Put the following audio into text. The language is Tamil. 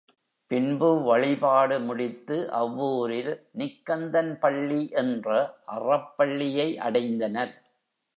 பின்பு வழிபாடு முடித்து அவ்ஊரில் நிக்கந்தன் பள்ளி என்ற அறப்பள்ளியை அடைந்தனர்.